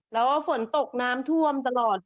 แล้วก็ฝนตกน้ำท่วมตลอด